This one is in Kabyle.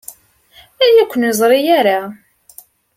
Aya ur ken-yerzi ara.